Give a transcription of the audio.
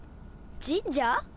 神社？